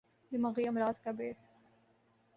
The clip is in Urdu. دماغی امراض کا ب